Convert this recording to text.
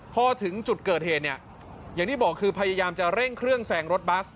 พอถึงจุดเกิดเหตุเนี่ยอย่างที่บอกคือพยายามจะเร่งเครื่องแซงรถบัส